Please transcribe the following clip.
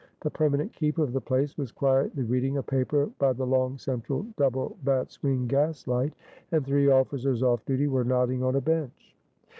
The permanent keeper of the place was quietly reading a paper by the long central double bat's wing gas light; and three officers off duty were nodding on a bench.